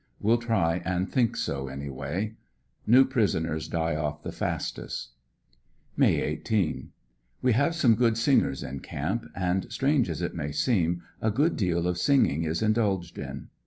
We'll try and think so anyway. New prisoners die off the fastest. May 18. — We have some good singers in camp, and strange as it may seem, a good deal of singing is indulged in.